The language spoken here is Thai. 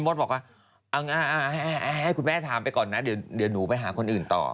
บอกว่าเอาง่าให้คุณแม่ถามไปก่อนนะเดี๋ยวหนูไปหาคนอื่นต่อ